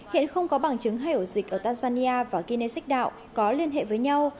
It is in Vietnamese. hiện không có bằng chứng hai ổ dịch ở tanzania và guinness x ray có liên hệ với nhau